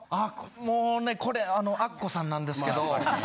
もうねこれあのアッコさんなんですけど。